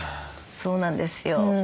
そうなんですよ。